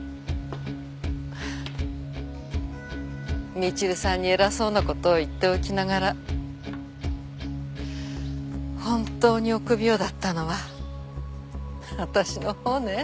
みちるさんに偉そうな事を言っておきながら本当に臆病だったのは私のほうね。